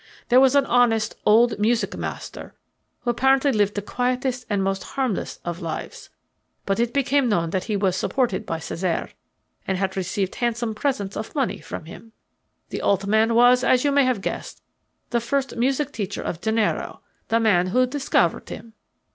There was an honest old music master who apparently lived the quietest and most harmless of lives. But it became known that he was supported by Cesare and had received handsome presents of money from him. The old man was, as you may have guessed, the first music teacher of Gennaro, the man who discovered him.